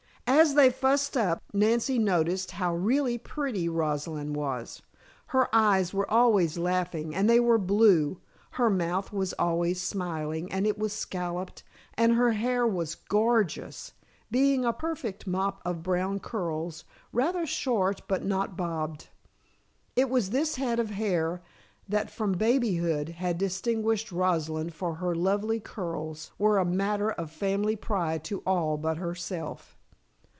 As they "fussed up" Nancy noticed how really pretty Rosalind was. Her eyes were always laughing and they were blue, her mouth was always smiling and it was scalloped, and her hair was "gorgeous," being a perfect mop of brown curls rather short but not bobbed. It was this head of hair that from baby hood had distinguished Rosalind, for her "lovely curls" were a matter of family pride to all but herself.